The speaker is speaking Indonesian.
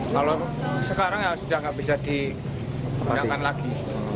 kalau sekarang ya sudah nggak bisa digunakan lagi